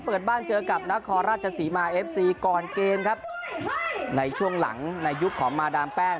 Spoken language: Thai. เปิดบ้านเจอกับนครราชศรีมาเอฟซีก่อนเกมครับในช่วงหลังในยุคของมาดามแป้ง